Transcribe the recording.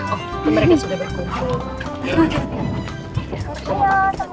oh mereka sudah berkulit